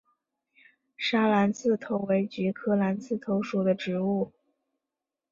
砂蓝刺头为菊科蓝刺头属的植物。